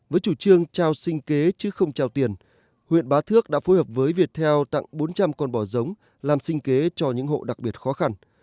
với chủ trương trao sinh kế chứ không trao tiền huyện bá thước đã phối hợp với việt theo tặng bốn trăm linh con bò giống làm sinh kế cho những hộ đặc biệt khó khăn